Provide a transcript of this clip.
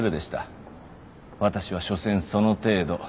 私はしょせんその程度。